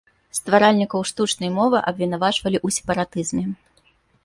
Стваральнікаў штучнай мовы абвінавачвалі ў сепаратызме.